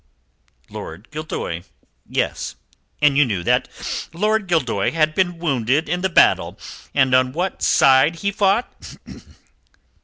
"Lord Gildoy yes." "And you knew that Lord Gildoy had been wounded in the battle, and on what side he fought?"